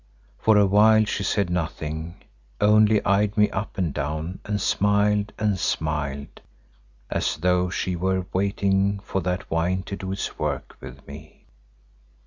For a while she said nothing, only eyed me up and down and smiled and smiled, as though she were waiting for that wine to do its work with me.